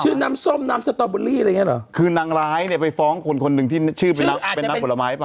น้ำส้มน้ำสตอเบอรี่อะไรอย่างเงี้เหรอคือนางร้ายเนี่ยไปฟ้องคนคนหนึ่งที่ชื่อเป็นน้ำผลไม้ป่